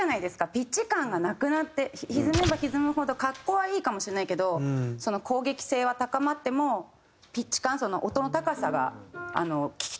ピッチ感がなくなって歪めば歪むほど格好はいいかもしれないけど攻撃性は高まってもピッチ感音の高さが聴き取れなくなってくるんで。